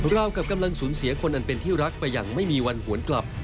เรากับกำลังสูญเสียคนอันเป็นที่รักไปอย่างไม่มีวันหวนกลับ